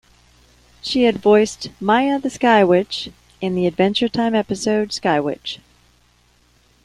She had voiced "Maja the Sky Witch "in the Adventure Time episode "Sky Witch.